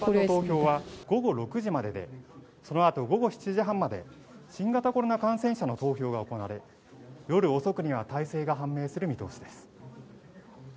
投票は午後６時までそのあと午後７時半まで新型コロナ感染者の投票が行われ夜遅くには大勢が判明する見通しです